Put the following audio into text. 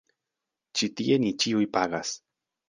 Ĉi tie ni ĉiuj pagas.